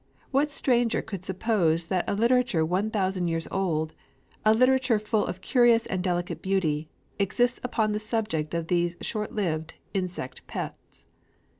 What stranger could suppose that a literature one thousand years old, a literature full of curious and delicate beauty, exists upon the subject of these short lived insect pets?